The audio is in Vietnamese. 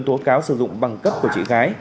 tố cáo sử dụng bằng cấp của chị gái